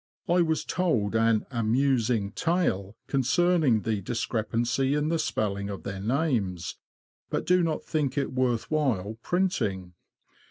I was told an a mews ing tale con cerning the discrepancy in the spelling of their names, but do not think it worth while printing.